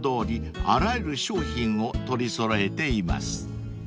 あらゆる商品を取り揃えています］